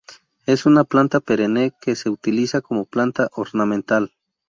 Es una planta perenne que se utiliza como planta ornamental.